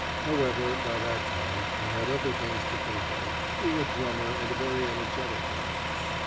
However, by that time I had other things to think of, being a drummer and a very energetic one.